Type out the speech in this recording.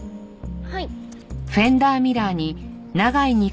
はい。